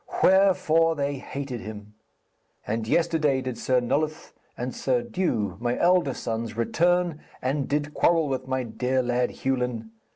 Wherefore they hated him. And yesterday did Sir Nulloth and Sir Dew, my elder sons, return, and did quarrel with my dear lad Hewlin.